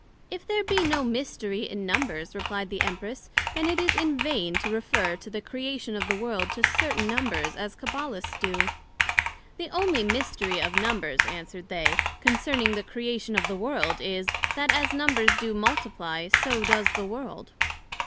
If there be no mystery in Numbers, replied the Empress then it is in vain to refer to the Creation of the World to certain Numbers, as Cabbalists do. The onely mystery of Numbers, answered they, concerning the Creation of the World, is, that as Numbers do multiply, so does the World.